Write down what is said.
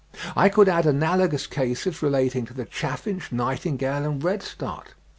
I could add analogous cases relating to the chaffinch, nightingale, and redstart.